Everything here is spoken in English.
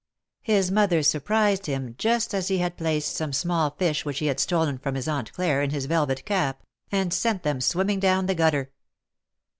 His mother surprised him just as he had placed some small fish which he had stolen from his Aunt Claire, in his velvet cap, and sent them swimming down the gutter.